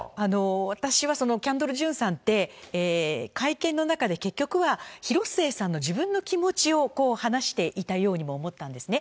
私はキャンドル・ジュンさんって、会見の中で結局は、広末さんの自分の気持ちを話していたようにも思ったんですね。